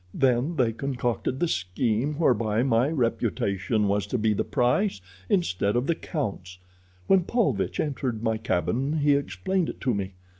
Then they concocted the scheme whereby my reputation was to be the price, instead of the count's. When Paulvitch entered my cabin he explained it to me.